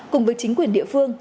cùng với chính quyền địa phương